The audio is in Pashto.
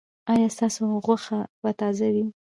ایا ستاسو غوښه به تازه وي؟